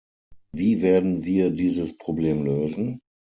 Wie werden wir dieses Problem lösen?